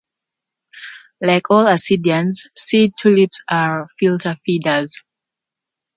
Like all ascidians, sea tulips are filter feeders.